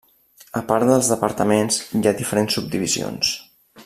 A part dels departaments, hi ha diferents subdivisions.